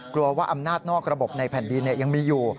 ว่าอำนาจนอกระบบในแผ่นดินยังมีอยู่